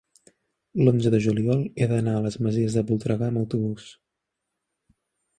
l'onze de juliol he d'anar a les Masies de Voltregà amb autobús.